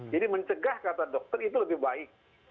jadi mencegah kata dokter itu lebih baik